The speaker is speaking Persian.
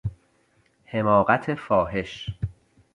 حماقت فاحش